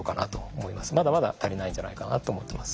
まだまだ足りないんじゃないかなと思ってます。